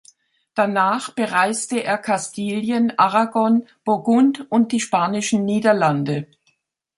Danach bereiste er Kastilien, Aragon, Burgund und die Spanischen Niederlande.